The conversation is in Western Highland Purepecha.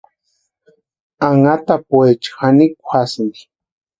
Anhatapuecha janikwani juasïnti.